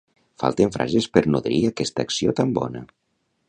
Falten frases per nodrir aquesta acció tan bona